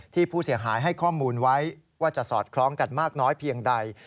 ที่ผู้เสียหายให้ข้อมูลไว้ว่าจะสอดคล้องกันมากน้อยเพียงใด